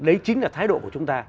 đấy chính là thái độ của chúng ta